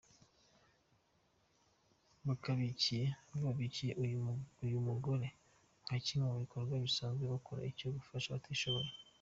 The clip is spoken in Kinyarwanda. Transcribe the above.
Bubakiye uyu mugore nka kimwe mu bikorwa basanzwe bakora cyo gufasha abatishoboye.